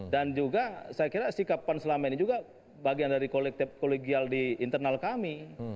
dan juga saya kira sikap pan selama ini juga bagian dari kolegial di internal kami